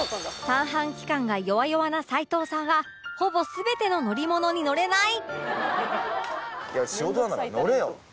三半規管が弱々な齊藤さんはほぼ全ての乗り物に乗れない